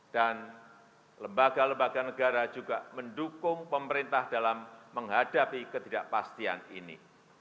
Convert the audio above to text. dan lembaga lembaga negara juga mendukung pemerintah dalam menghadapi ketidakpastian ini